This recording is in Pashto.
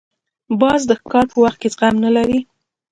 باز د ښکار پر وخت زغم نه لري